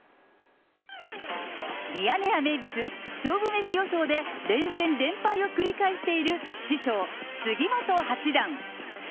ミヤネ屋名物、勝負メシ予想で、連戦連敗を繰り返している師匠、杉本八段。